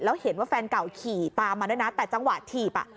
แล้วเห็นว่าแฟนเก่าขี่ตามมาด้วยนะแต่จังหวะถีบอ่ะ